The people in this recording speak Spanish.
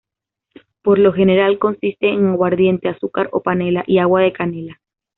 Por lo general, consiste en aguardiente, azúcar o panela, y agua de canela.